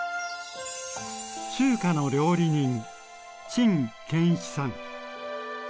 中華の料理人陳建一さん。